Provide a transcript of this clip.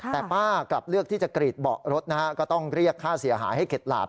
แต่ป้ากลับเลือกที่จะกรีดเบาะรถนะฮะก็ต้องเรียกค่าเสียหายให้เข็ดหลาบ